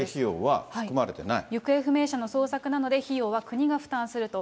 行方不明者の捜索なので、費用は国が負担すると。